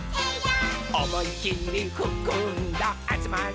「おもいきりふくんだあつまれ」